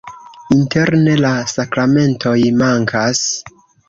Interne la sakramentoj mankas.